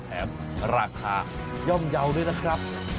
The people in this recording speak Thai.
แถมราคาย่อมเยาว์ด้วยนะครับ